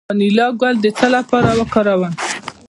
د وانیلا ګل د څه لپاره وکاروم؟